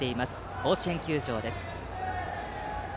甲子園球場です。